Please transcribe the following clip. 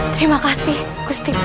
terima kasih gusti brahm